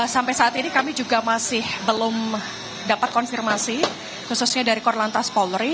sampai saat ini kami juga masih belum dapat konfirmasi khususnya dari korlantas polri